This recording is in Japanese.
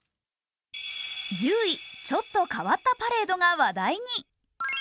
１０位、ちょっと変わったパレードが話題に。